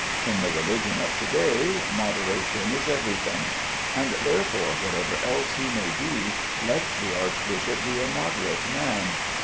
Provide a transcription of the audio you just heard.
In the religion of to day moderation is everything. And, therefore, whatever else he may be, let the archbishop be a moderate man.